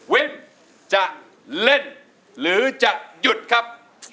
วิทย์จะเล่นหรือจะหยุดครับ